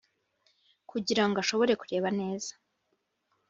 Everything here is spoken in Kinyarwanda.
kugira ngo ashobore kureba neza